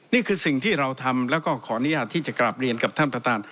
นี่คือสิ่งที่เราทำแล้วก็ขออนุญาตที่จะกลับเรียนกับท่านประธาน